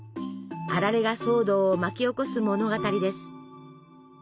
「あられ」が騒動を巻き起こす物語です。